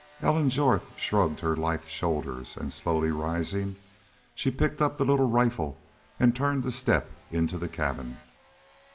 Ellen Jorth shrugged her lithe shoulders and, slowly rising, she picked up the little rifle and turned to step into the cabin.